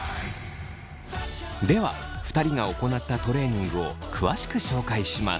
では２人が行ったトレーニングを詳しく紹介します。